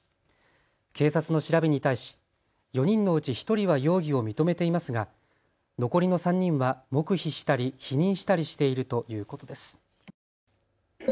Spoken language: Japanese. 警察の調べに対し４人のうち１人は容疑を認めていますが残りの３人は黙秘したり否認したりしているということです。